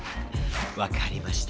わかりました。